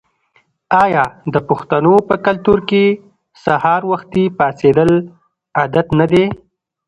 آیا د پښتنو په کلتور کې سهار وختي پاڅیدل عادت نه دی؟